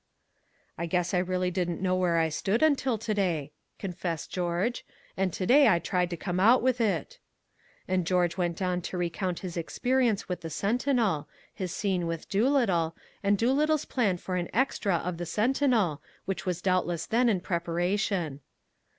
"I guess I really didn't know where I stood until today," confessed George, "and today I tried to come out with it." And George went on to recount his experience with the Sentinel his scene with Doolittle and Doolittle's plan for an extra of the Sentinel, which was doubtless then in preparation.